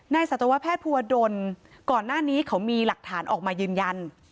สัตวแพทย์ภูวดลก่อนหน้านี้เขามีหลักฐานออกมายืนยัน